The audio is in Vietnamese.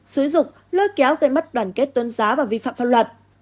xứ dục lơi kéo gây mất đoàn kết tôn giáo và vi phạm pháp luật